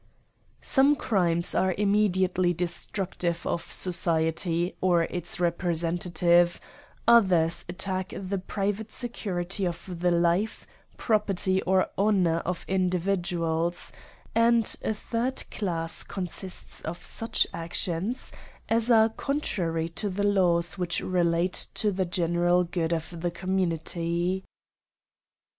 Some crimes are immediately destructive of so ciety, or its representative ; others attack the pri vate security of the life, property, or honour of indiyiduals ; and a third class consists of such ac tions as are contrary to the laws which relate t© the general good of the community.